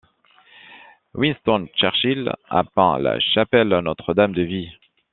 Winston Churchill a peint la chapelle Notre-Dame de Vie.